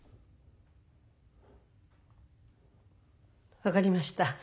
分かりました。